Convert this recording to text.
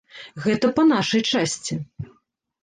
Гэта па нашай часці.